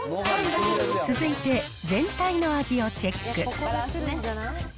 続いて、全体の味をチェック。